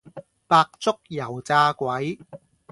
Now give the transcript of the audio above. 白粥油炸鬼